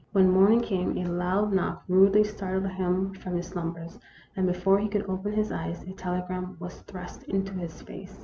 When morning came, a loud knock rudely startled him from his slumbers, and before he could open his eyes a telegram was thrust into his face.